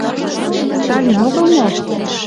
Сталин огыл мо?